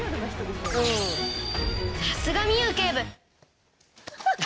さすがミウ警部。